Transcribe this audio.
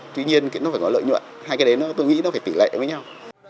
tuy nhiên nó phải có lợi nhuận hai cái đấy tôi nghĩ nó phải tỷ lệ với nhau